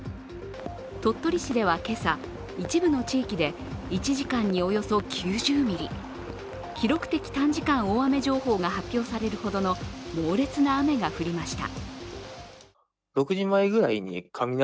鳥取市では今朝、一部の地域で１時間におよそ９０ミリ、記録的短時間大雨情報が発表されるほどの猛烈な雨が降りました。